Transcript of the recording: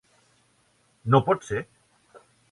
No pot ser!